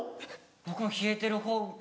僕も冷えてるほうが。